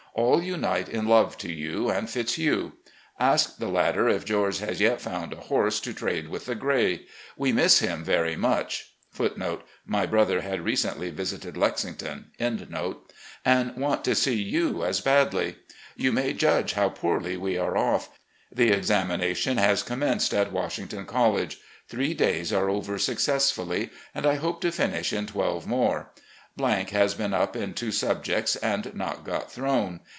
AU unite in love to you and Fitzhugh. Ask the latter if Greorge has yet found a horse to trade with the gray. We miss him very much,* and want to see you as badly. Y ou may judge how poorly we are off. The examination has commenced at Washington College. Three days are over successfully, and I hope to finish in twelve more. has been up in two subjects, and not got thrown.